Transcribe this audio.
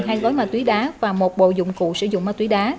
hai gói ma túy đá và một bộ dụng cụ sử dụng ma túy đá